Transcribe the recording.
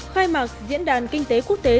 khai mạc diễn đàn kinh tế quốc tế